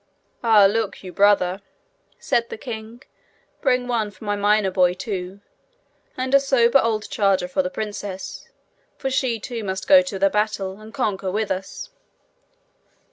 'And look you, brother!' said the king; 'bring one for my miner boy too, and a sober old charger for the princess, for she too must go to the battle, and conquer with us.'